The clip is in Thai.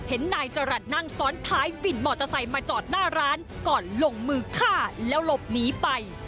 เห็นนายจรัสนั่งซ้อนท้ายบินมอเตอร์ไซค์มาจอดหน้าร้านก่อนลงมือฆ่าแล้วหลบหนีไป